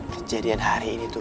kejadian hari ini tuh